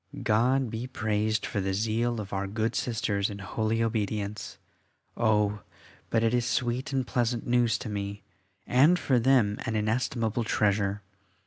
God be praised for the zeal of our good Sisters in holy obedience. Oh! but it is sweet and pleasant news to me, and for them an inestimable treasure.